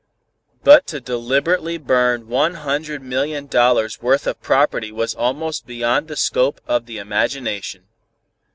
But to deliberately burn one hundred million dollars worth of property was almost beyond the scope of the imagination.